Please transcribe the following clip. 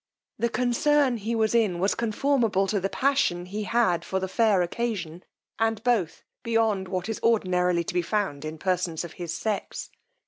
The concern he was in was conformable to the passion he had for the fair occasion, and both beyond what is ordinarily to be found in persons of his sex.